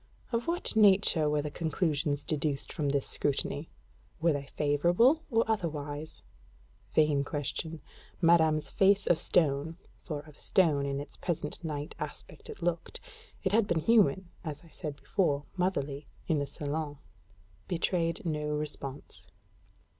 Of what nature were the conclusions deduced from this scrutiny? Were they favorable or otherwise? Vain question. Madame's face of stone (for of stone in its present night aspect it looked: it had been human, and as I said before, motherly, in the salon) betrayed no response.